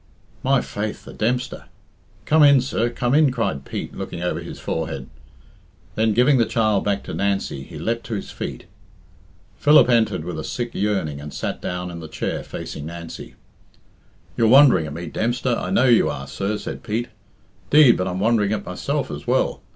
"My faith, the Dempster! Come in, sir, come in," cried Pete, looking over his forehead. Then, giving the child back to Nancy, he leapt to his feet. Philip entered with a sick yearning and sat down in the chair facing Nancy. "You're wondering at me, Dempster, I know you are, sir," Said Pete, "'Deed, but I'm wondering at myself as well.